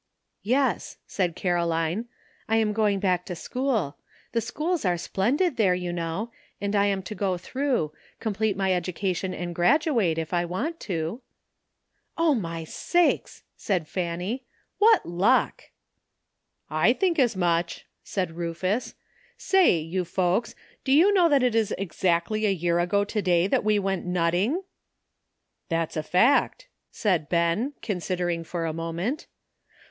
"Yes,'* said Caroline ; "I am going back to school. The schools are splendid there, you know, and I am to go through ; complete my education and graduate, if I want to." " O, my sakes !" said P^anny, '^ what luck.'* "I think as much," said Rufus. "Say, you folks, do you know that it is exactly a year ago to day that we went nutting? " "That's a fact," said Ben, considering for a moment.